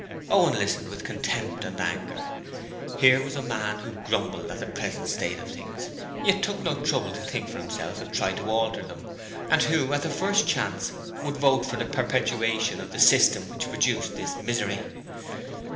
Owen listened with contempt and anger. Here was a man who grumbled at the present state of things, yet took no trouble to think for himself and try to alter them, and who at the first chance would vote for the perpetuation of the System which produced his misery.